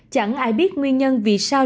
chẳng ai biết nguyên nhân vì sao